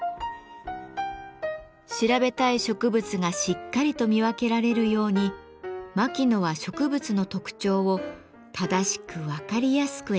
調べたい植物がしっかりと見分けられるように牧野は植物の特徴を正しく分かりやすく描きました。